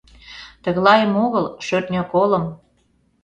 Тыглайым огыл, шӧртньӧ колым.